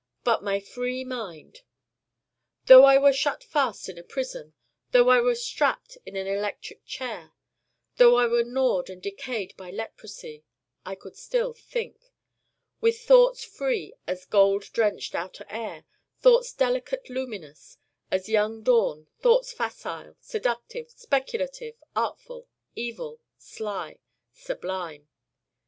but my free Mind Though I were shut fast in a prison: though I were strapped in an electric chair: though I were gnawed and decayed by leprosy: I still could think, with thoughts free as gold drenched outer air, thoughts delicate luminous as young dawn, thoughts facile, seductive, speculative, artful, evil, sly, sublime.